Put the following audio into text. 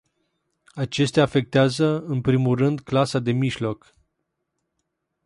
Acestea afectează în primul rând clasa de mijloc.